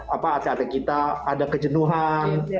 apa atau tiapa ada kejenuhan